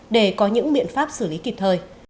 để có những biện pháp xử lý kịp thời